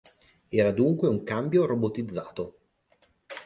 Era dunque un cambio robotizzato.